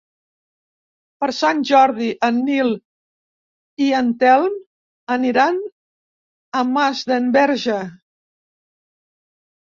Per Sant Jordi en Nil i en Telm aniran a Masdenverge.